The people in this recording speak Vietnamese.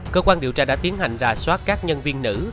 cơ quan điều tra đã tiến hành rà soát các nhân viên nữ